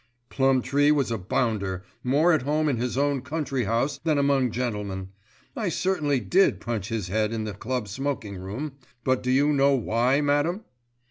"Plumtree was a bounder, more at home in his own country house than among gentlemen. I certainly did punch his head in the club smoking room; but do you know why, madam?"